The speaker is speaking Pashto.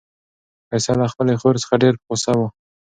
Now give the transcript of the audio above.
فیصل له خپلې خور څخه ډېر په غوسه و.